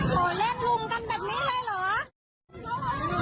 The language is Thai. จากพ่อนับล้อมโอ้โหตื่อกันโอ้โหพี่